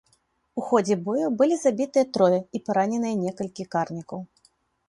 У ходзе бою былі забітыя трое і параненыя некалькі карнікаў.